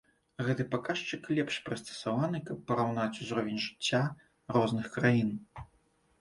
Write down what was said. Гэты паказчык лепш прыстасаваны, каб параўнаць узровень жыцця розных краін.